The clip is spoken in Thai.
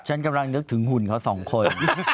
ฉันกำลังนึกถึงหุ่นเขาสองคน